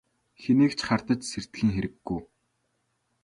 Хэнийг ч хардаж сэрдэхийн хэрэггүй.